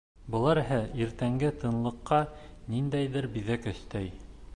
Былар иһә иртәнге тынлыҡҡа ниндәйҙер биҙәк өҫтәй.